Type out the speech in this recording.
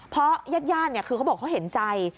เพราะญาติคือเขาบอกเขาเห็นใจ